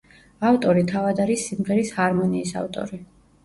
ავტორი თავად არის სიმღერის ჰარმონიის ავტორი.